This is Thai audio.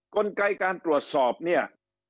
กลไกการตรวจสอบเนี่ย